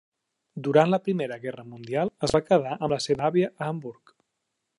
Durant la Primera Guerra Mundial, es va quedar amb la seva àvia a Hamburg.